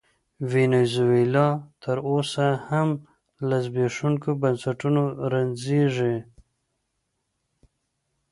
وینزویلا تر اوسه هم له زبېښونکو بنسټونو رنځېږي.